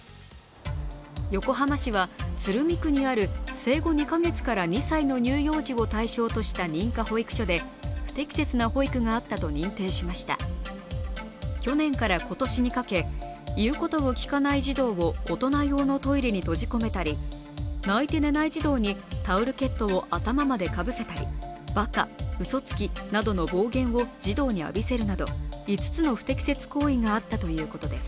横浜市は鶴見区にある生後２か月から２歳の乳幼児を対象とした認可保育所で、不適切な保育があったと認定しました、去年から今年にかけ、言うことを聞かない児童を大人用のトイレに閉じ込めたり泣いて寝ない児童に、タオルケットを頭までかぶせたり、ばか、うそつきなどの暴言を児童に浴びせるなど５つの不適切行為があったということです。